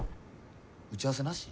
打ち合わせなし？